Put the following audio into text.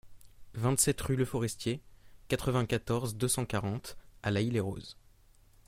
vingt-sept rue Leforestier, quatre-vingt-quatorze, deux cent quarante à L'Haÿ-les-Roses